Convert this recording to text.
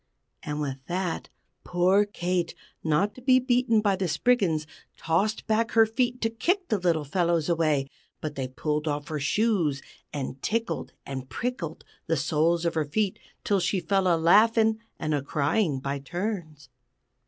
_" And with that, poor Kate, not to be beaten by the Spriggans, tossed back her feet to kick the little fellows away, but they pulled off her shoes and tickled and prickled the soles of her feet until she fell a laughing and a crying by turns.